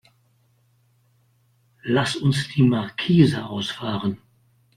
Lass uns die Markise ausfahren.